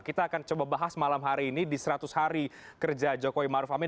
kita akan coba bahas malam hari ini di seratus hari kerja jokowi maruf amin